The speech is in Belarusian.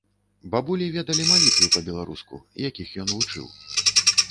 Бабулі ведалі малітвы па-беларуску, якіх ён вучыў.